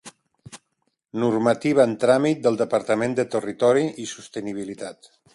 Normativa en tràmit del Departament de Territori i Sostenibilitat.